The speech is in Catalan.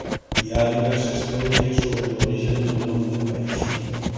Hi ha diverses teories sobre l'origen del nom del país.